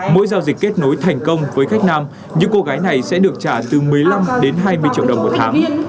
mỗi giao dịch kết nối thành công với khách nam những cô gái này sẽ được trả từ một mươi năm đến hai mươi triệu đồng một tháng